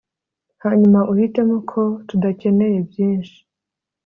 hanyuma uhitemo ko tudakeneye byinshi